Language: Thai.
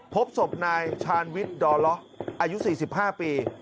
พบศพนายชาญวิทย์ดอล้ออายุ๔๕ปี